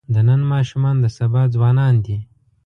د نن ماشومان د سبا ځوانان دي.